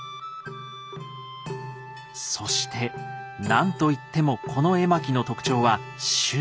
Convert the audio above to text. そして何といってもこの絵巻の特徴は終盤です。